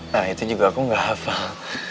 nah itu juga aku nggak hafal